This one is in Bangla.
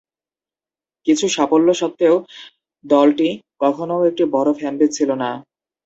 কিছু সাফল্য সত্ত্বেও, দলটি কখনও একটি বড় ফ্যানবেস ছিল না।